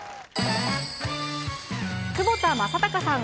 窪田正孝さん